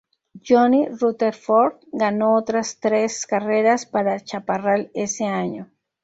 Johnny Rutherford ganó otras tres carreras para Chaparral ese año.